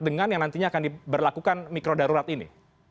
dengan yang nantinya akan diberlakukan mikro darurat ini